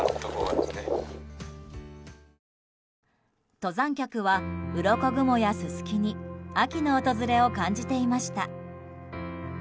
登山客は、うろこ雲やススキに秋の訪れを感じていました。